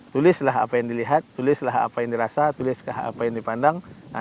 tulislah apa yang dilihat tulislah apa yang dirasa tuliskah apa yang dipandang